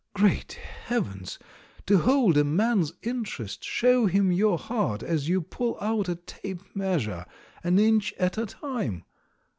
Great heavens! To hold a man's interest, show him your heart as you pull out a tape measure — an inch at a time.